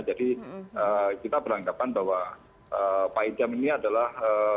jadi kita berangkat bahwa pak idam ini adalah